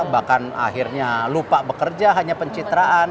bahkan akhirnya lupa bekerja hanya pencitraan